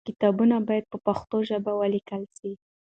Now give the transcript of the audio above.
کتابونه باید په پښتو ژبه ولیکل سي.